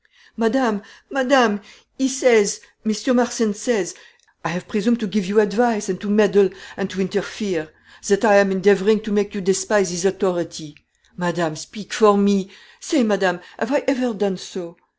"Madame, madame! he says Mr. Marston says I have presumed to give you advice, and to meddle, and to interfere; that I am endeavoring to make you despise his authority. Madame, speak for me. Say, madame, have I ever done so?